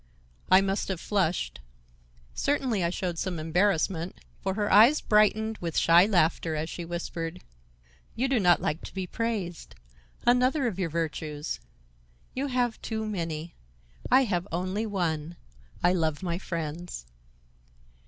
I must have flushed; certainly I showed some embarrassment, for her eyes brightened with shy laughter as she whispered: "You do not like to be praised,—another of your virtues. You have too many. I have only one—I love my friends."